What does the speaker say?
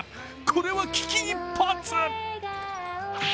これは危機一髪！